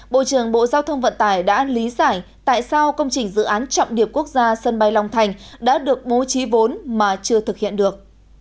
bộ trưởng bộ giao thông vận tải đã lý giải tại sao công trình dự án trọng điểm quốc gia sân bay long thành đã được bố trí vốn mà chưa thực hiện được